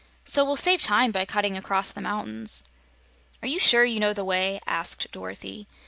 So we'll save time by cutting across the mountains." "Are you sure you know the way?" asked Dorothy.